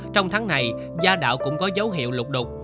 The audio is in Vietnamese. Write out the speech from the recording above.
trong tháng này gia đạo cũng có dấu hiệu lục đục